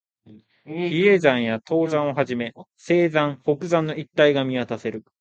比叡山や東山をはじめ、西山、北山の一帯が見渡せる